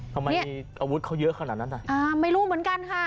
ทำไมอาวุธเขาเยอะขนาดนั้นอ่ะอ่าไม่รู้เหมือนกันค่ะ